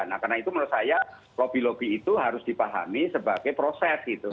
nah karena itu menurut saya lobby lobby itu harus dipahami sebagai proses gitu